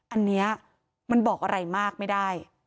อันนี้มันบอกอะไรมากไม่ได้